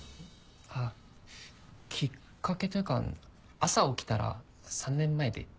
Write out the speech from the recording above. あきっかけというか朝起きたら３年前で。